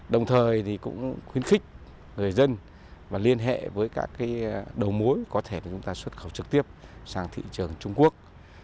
đồng thời cũng khuyến khích người dân và liên hệ với các đầu mối có thể chúng ta xuất khẩu trực tiếp sang thị trường trung quốc